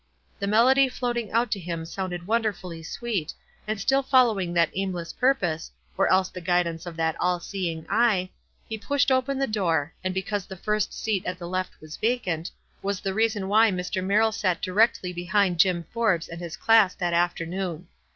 The melody floating out to him sounded wonderfully sweet, and still following that aimless purpose, or else the guidance of that All seeing Eye, he pushed open the door, and because the first seat at the left was vacant, was the reason why Mr. Merrill sat directly behind Jim Forbes and his class that afternoon.